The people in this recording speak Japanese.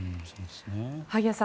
萩谷さん